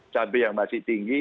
cabai yang masih tinggi